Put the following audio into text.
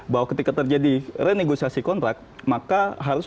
bahwa ketika terjadi renegosiasi kontrak maka harus